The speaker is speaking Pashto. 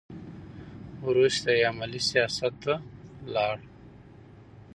وروسته یې عملي سیاست ته لاړ.